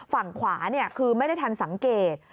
ฝั่งขวาคือไม่ได้ทันสังเกต